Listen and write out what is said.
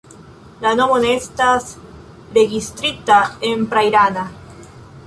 La nomo ne estas registrita en pra-irana.